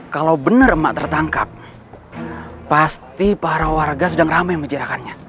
kalau benar emak tertangkap pasti para warga sudah ramai yang menjerakannya